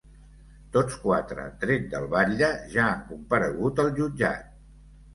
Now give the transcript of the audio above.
Tots quatre, tret del batlle, ja han comparegut al jutjat.